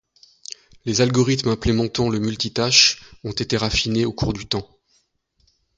Les algorithmes implémentant le multitâche ont été raffinés au cours du temps.